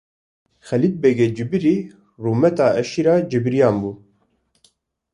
Xalid begê cibrî rûmeta eşîra cibraniyan bû.